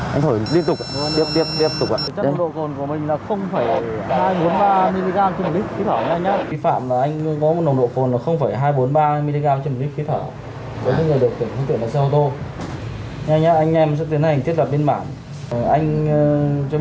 anh không chống chế như vậy được